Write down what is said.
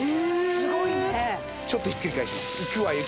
すごいねちょっとひっくり返しますいくわよ